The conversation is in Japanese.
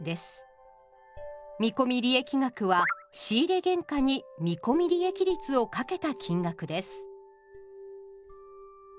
見込利益額は仕入原価に見込利益率をかけた金額です。